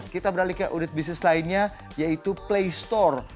kita beralih ke unit bisnis lainnya yaitu play store